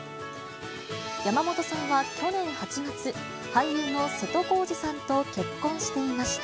山本さんは去年８月、俳優の瀬戸康史さんと結婚していました。